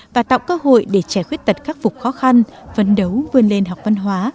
và tạo cơ hội để trẻ khuyết tật khắc phục khó khăn phấn đấu vươn lên học văn hóa